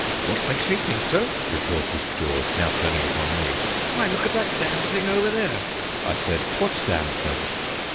"What makes me think so?" retorted George, now turning upon me. "Why, look at that damned thing over there!" I said: "What damned thing?"